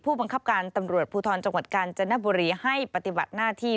บังคับการตำรวจภูทรจังหวัดกาญจนบุรีให้ปฏิบัติหน้าที่